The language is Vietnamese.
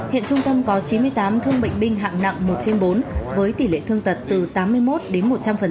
hiện trung tâm có chín mươi tám thương bệnh binh hạng nặng một trên bốn với tỷ lệ thương tật từ tám mươi một đến một trăm linh